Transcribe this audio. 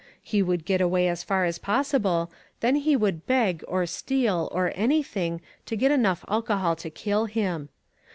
He would get away as far as possible, then he would beg, or steal, or anything, to get enough alcohol to kill him.